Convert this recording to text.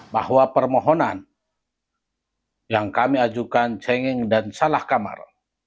bahwa permohonan yang kami ajukan cengeng dan salah kamar